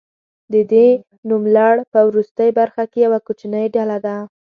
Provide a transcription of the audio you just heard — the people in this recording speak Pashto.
د دې نوملړ په وروستۍ برخه کې یوه کوچنۍ ډله ده.